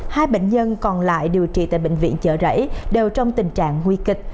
hai bệnh nhân còn lại điều trị tại bệnh viện chợ rẫy đều trong tình trạng nguy kịch